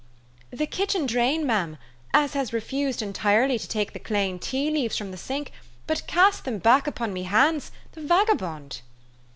" The kitchen drain, mem, as has refused entirely to take the clane tea leaves from the sink, but casts them back upon me hands, the vagabond